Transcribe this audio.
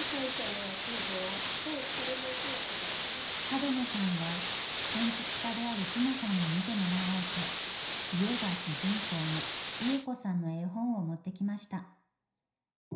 角野さんは建築家である隈さんに見てもらおうと家が主人公のイエコさんの絵本を持ってきました。